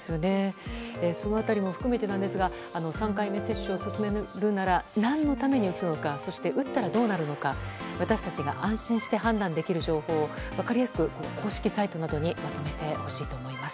その辺りも含めてですが３回目接種を進めるなら何のために打つのかそして打ったらどうなるのか私たちが安心して判断できる情報を分かりやすく公式サイトなどにまとめてほしいと思います。